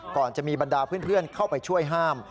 ก่อนจะมีบรรดาเพื่อนเข้าไปช่วยห้าม